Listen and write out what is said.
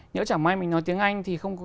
nếu chẳng may mình nói tiếng anh thì không có